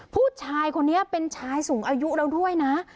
ผู้ชายคนนี้เป็นชายสูงอายุแล้วด้วยนะ